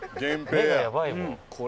目がやばいもん。